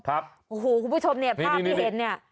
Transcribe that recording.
โอ้โหคุณผู้ชมเนี่ยภาพที่เห็นเนี่ย